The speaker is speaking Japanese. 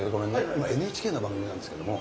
今ＮＨＫの番組なんですけども。